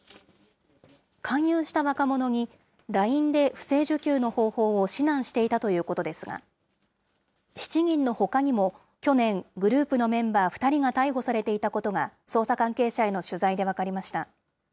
勧誘した若者にＬＩＮＥで不正受給の方法を指南していたということですが、７人のほかにも、去年、グループのメンバー２人が逮捕されていたことが、捜査関係者への取材で分かりました。